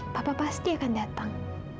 papa pasti akan datang